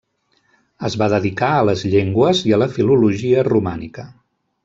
Es va dedicar a les llengües i a la filologia romànica.